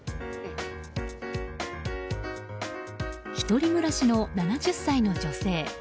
１人暮らしの７０歳の女性。